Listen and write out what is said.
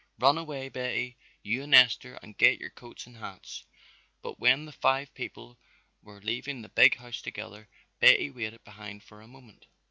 Run away, Betty, you and Esther, and get your coats and hats." But when the five people were leaving the big house together, Betty waited behind for a moment.